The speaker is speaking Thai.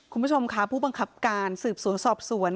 คุณผู้ชมค่ะผู้บังคับการสืบสวนสอบสวน